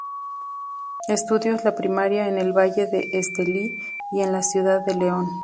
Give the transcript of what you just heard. Estudios la primaria en el Valle de Estelí y en la ciudad de León.